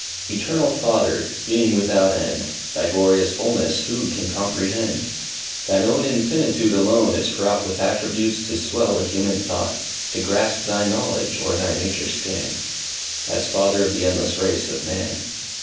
Eternal Father, Being without end! Thy glorious fulness who can comprehend! Thine own infinitude alone is fraught With attributes to swell a human thought, To grasp thy knowledge, or thy nature scan. As Father of the endless race of man.